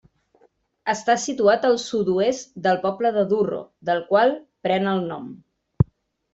Està situat al sud-oest del poble de Durro, del qual pren el nom.